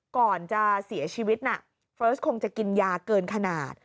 ก่อนจะเสียชีวิตน่ะเฟิร์สคงจะกินยาเกินขนาด